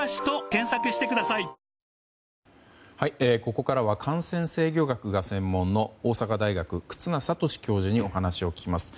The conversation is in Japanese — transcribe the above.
ここからは感染制御学がご専門の大阪大学、忽那賢志教授にお話を聞きます。